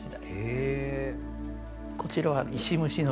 へえ。